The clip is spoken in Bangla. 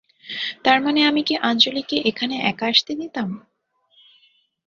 তারমানে আমি কি আঞ্জলিকে এখানে একা আসতে দিতাম?